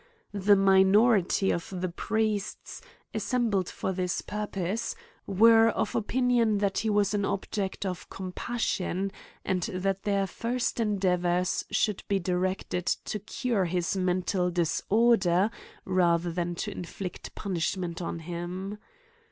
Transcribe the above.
The minority of the priests, assembled for this purpose, were of opinion, that he was an object of compassion ; and that their first endeavours should be directed to CRIMES AND PUNISHMENTS. 187 cure his mental disorder, rather than to inflict pun ishment on him.